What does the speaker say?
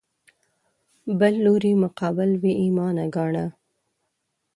بل لوري مقابل بې ایمانه ګاڼه